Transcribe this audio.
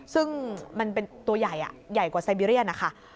ซึ่งมันเป็นตัวใหญ่ใหญ่กว่าไซเบีเรียนนะคะ